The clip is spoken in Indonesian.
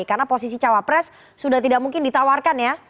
karena posisi cawapres sudah tidak mungkin ditawarkan ya